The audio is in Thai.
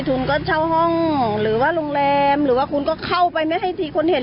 คุณก็เช่าห้องหรือว่าโรงแรมหรือว่าคุณก็เข้าไปไม่ให้ทีคนเห็น